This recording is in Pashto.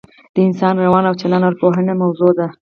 د انسان روان او چلن د اوراپوهنې موضوع ده